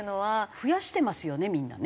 増やしてますよねみんなね。